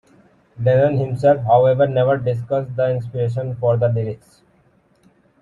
Lennon himself however never discussed the inspiration for the lyrics.